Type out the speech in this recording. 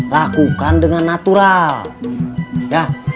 lakukan dengan natural ya